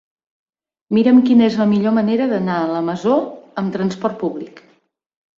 Mira'm quina és la millor manera d'anar a la Masó amb trasport públic.